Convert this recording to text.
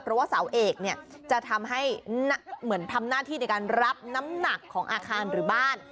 เพราะว่าเสาเอกเนี่ยจะทำให้เหมือนทำหน้าที่ในการรับน้ำหนักของอาคารหรือบ้าน